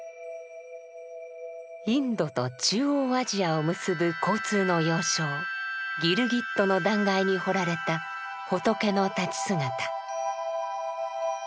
インドと中央アジアを結ぶ交通の要衝ギルギットの断崖に彫られた仏の立ち姿。